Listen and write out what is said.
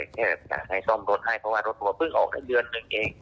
แต่อยากให้ซ่อมรถให้เพราะว่ารถผมก็เพิ่งออกในเดือนนึงเอง